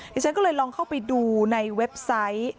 ดิฉันก็เลยลองเข้าไปดูในเว็บไซต์